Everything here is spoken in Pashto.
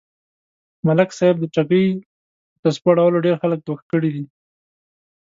ملک صاحب د ټگۍ يه تسبو اړولو ډېر خلک دوکه کړي دي.